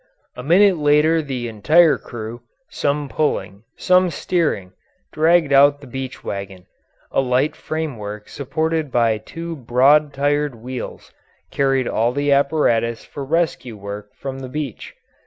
A minute later the entire crew, some pulling, some steering, dragged out the beach wagon. A light framework supported by two broad tired wheels carried all the apparatus for rescue work from the beach.